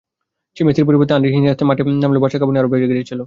মেসির পরিবর্তে Andres Iniesta মাঠে নামলেও বার্সার কাঁপুনি আরও বেড়ে গিয়েছিল।